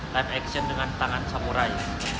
dan action dengan tangan samurai